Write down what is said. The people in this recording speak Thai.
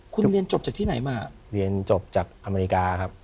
คุณเรียนจบจากที่ไหนมาเรียนจบจากอเมริกาครับ